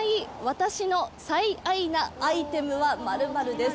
「私の最愛なアイテムは○○です」